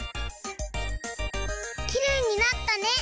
きれいになったね！